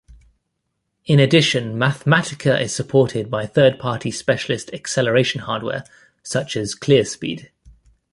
In addition Mathematica is supported by third party specialist acceleration hardware such as ClearSpeed.